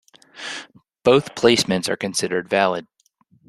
Both placements are considered valid.